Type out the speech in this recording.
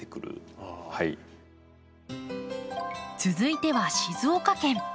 続いては静岡県。